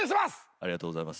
ありがとうございます。